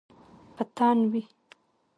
په تن وی